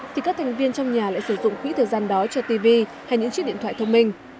thì các thành viên trong nhà lại sử dụng quỹ thời gian đó cho tv hay những chiếc điện thoại thông minh